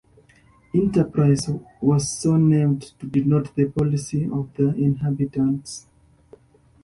Enterprise was so named "to denote the policy of their inhabitants".